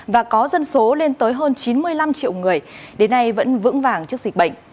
và có dân số lên tới hơn chín mươi năm triệu người đến nay vẫn vững vàng trước dịch bệnh